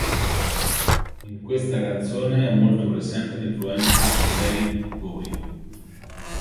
In questa canzone è molto presente l'influenza di David Bowie.